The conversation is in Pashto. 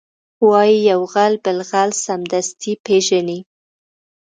وایي یو غل بل غل سمدستي پېژني